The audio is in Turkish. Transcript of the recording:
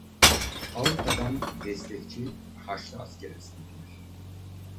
Avrupa'dan destekçi Haçlı asker istediler.